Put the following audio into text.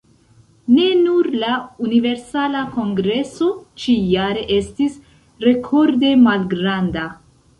Ne nur la Universala Kongreso ĉi-jare estis rekorde malgranda.